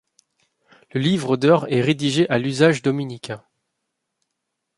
Le livre d'heures est rédigé à l'usage dominicain.